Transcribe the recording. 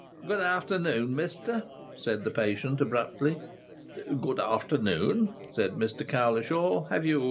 "Good afternoon, mister," said the patient, abruptly. "Good afternoon," said Mr Cowlishaw. "Have you